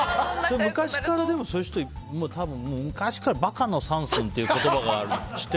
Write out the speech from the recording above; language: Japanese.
昔から、そういう人昔から馬鹿の三寸っていう言葉があって。